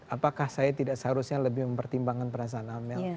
apakah saya tidak seharusnya lebih mempertimbangkan perasaan amel